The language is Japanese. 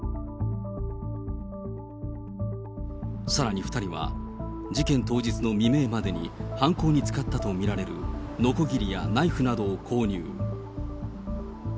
さらに２人は、事件当日の未明までに犯行に使ったと見られるのこぎりやナイフなどを購入。